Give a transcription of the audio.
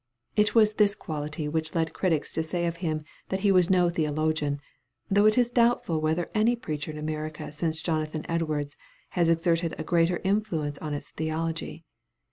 It was this quality which led critics to say of him that he was no theologian, though it is doubtful whether any preacher in America since Jonathan Edwards has exerted a greater influence on its theology.